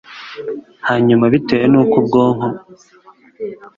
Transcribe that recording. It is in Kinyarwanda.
hanyuma bitewe nuko ubwonko